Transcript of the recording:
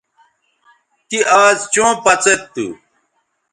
تی آز چوں پڅید تھو